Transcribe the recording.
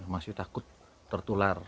masih takut tertular